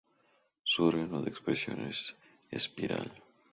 Su órgano de expresión es "Espiral".